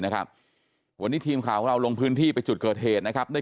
นะครับวันนี้ทีมข่าวของเราลงพื้นที่ไปจุดเกิดเหตุนะครับได้